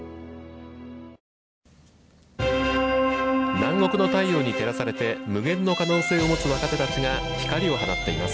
南国の太陽に照らされて、無限の可能性を持った若者たちが光を放ちます。